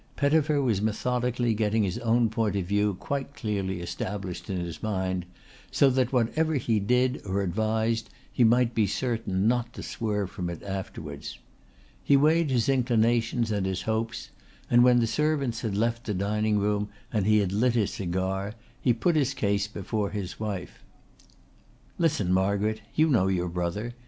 Pettifer was methodically getting his own point of view quite clearly established in his mind, so that whatever he did or advised he might be certain not to swerve from it afterwards. He weighed his inclinations and his hopes, and when the servants had left the dining room and he had lit his cigar he put his case before his wife. "Listen, Margaret! You know your brother.